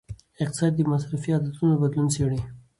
اقتصاد د مصرفي عادتونو بدلون څیړي.